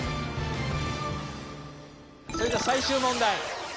それでは最終問題。